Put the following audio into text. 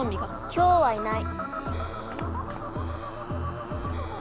きょうはいない。